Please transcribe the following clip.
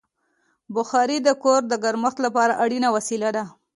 بخاري د کور د ګرمښت لپاره اړینه وسیله ده.